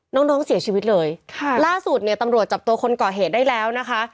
น้องน้องเสียชีวิตเลยค่ะล่าสุดเนี่ยตำรวจจับตัวคนก่อเหตุได้แล้วนะคะ